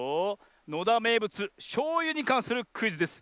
のだめいぶつしょうゆにかんするクイズです。